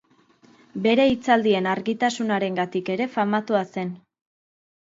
Bere hitzaldien argitasunarengatik ere famatua zen.